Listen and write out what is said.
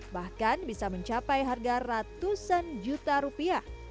bahkan bisa mencapai harga ratusan juta rupiah